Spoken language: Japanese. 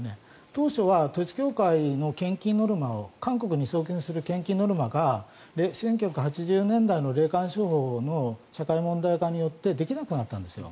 当初は統一教会の献金ノルマは韓国に送金する献金ノルマが１９８０年代の霊感商法の社会問題化によってできなくなったんですよ。